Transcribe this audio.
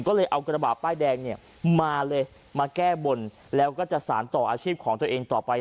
ก็เลยเอากระบะป้ายแดงเนี่ยมาเลยมาแก้บนแล้วก็จะสารต่ออาชีพของตัวเองต่อไป